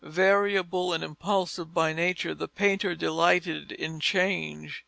Variable and impulsive by nature, the painter delighted in change.